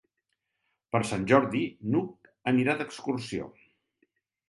Per Sant Jordi n'Hug anirà d'excursió.